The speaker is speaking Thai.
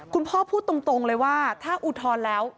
พูดตรงเลยว่าถ้าอุทธรณ์แล้ว